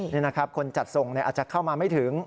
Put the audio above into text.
นี่นะครับคนจัดส่งอาจจะเข้ามาไม่ถึง